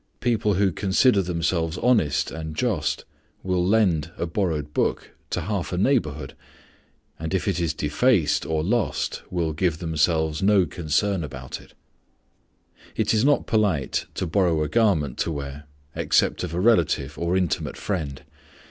People who consider themselves honest and just will lend a borrowed book to half a neighborhood, and if it is defaced or lost will give themselves no concern about it. It is not polite to borrow a garment to wear except of a relative or intimate friend.